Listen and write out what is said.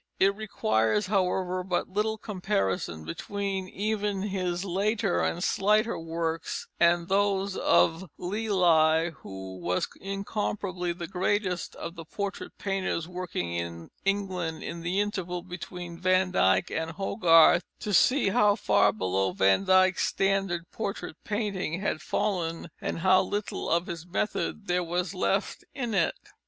It requires, however, but little comparison between even his later and slighter works and those of Lely, who was incomparably the greatest of the portrait painters working in England in the interval between Van Dyck and Hogarth, to see how far below Van Dyck's standard portrait painting had fallen, and how little of his method there was left in it.